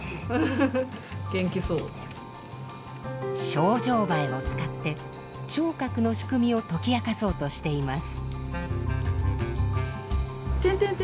ショウジョウバエを使って聴覚の仕組みを解き明かそうとしています。